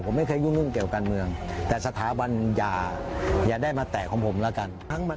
ผมไม่เคยยุ่งเกี่ยวการเมืองแต่สถาบันอย่าได้มาแตะของผมแล้วกัน